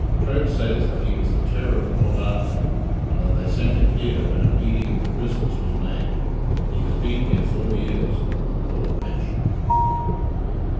Troke says that he was the terror of Port Arthur, and that they sent him here when a "weeding" of the prisoners was made. He has been here four years. Poor wretch!